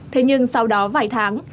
thế nhưng sau đó vài tháng